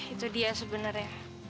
itu dia sebenarnya